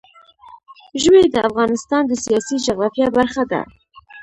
ژمی د افغانستان د سیاسي جغرافیه برخه ده.